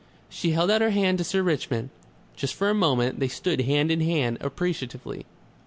She held out her hand to Sir Richmond. Just for a moment they stood hand in hand, appreciatively....